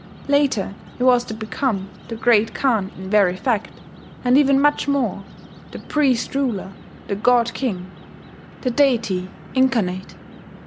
Later he was to become the Great Khan in very fact, and even much more, the Priest Ruler, the God King, the Deity Incarnate.